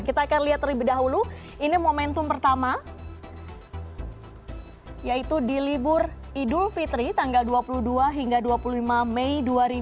kita akan lihat terlebih dahulu ini momentum pertama yaitu di libur idul fitri tanggal dua puluh dua hingga dua puluh lima mei dua ribu dua puluh